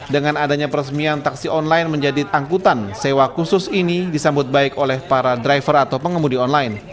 dengan adanya peresmian taksi online menjadi angkutan sewa khusus ini disambut baik oleh para driver atau pengemudi online